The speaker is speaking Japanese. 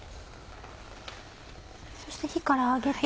そして火から上げて。